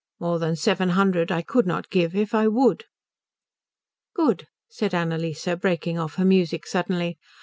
More than seven hundred I could not give if I would." "Good," said Annalise, breaking off her music suddenly.